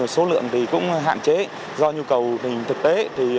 số lượng cũng hạn chế do nhu cầu thực tế